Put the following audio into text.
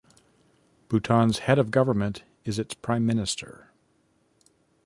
Bhutan's head of government is its Prime Minister.